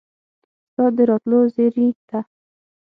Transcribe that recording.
ستا د راتلو زیري ته